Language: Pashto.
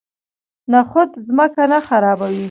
نخود ځمکه نه خرابوي.